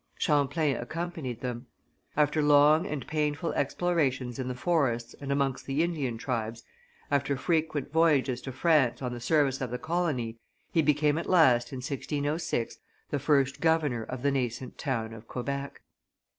Champlain accompanied them. After long and painful explorations in the forests and amongst the Indian tribes, after frequent voyages to France on the service of the colony, he became at last, in 1606, the first governor of the nascent town of Quebec.